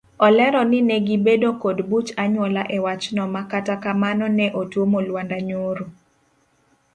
Olero ni ne gibedo kod buch anyuola ewachno makata kamano ne otuomo lwanda nyoro.